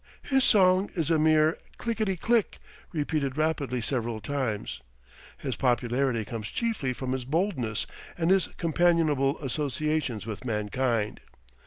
His song is a mere "clickety click" repeated rapidly several times. His popularity comes chiefly from his boldness and his companionable associations with mankind.